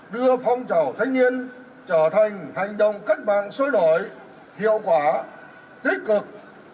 đưa phong trào thanh niên trở thành hành động cách mạng xôi đổi hiệu quả tích cực